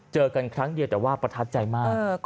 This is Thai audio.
เจอกันครั้งเดียวแต่ว่าประทับใจมาก